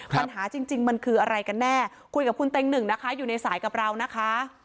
ปัญหาจริงมันคืออะไรกันแน่คุยกับคุณเต็งหนึ่งนะคะอยู่ในสายกับเรานะคะ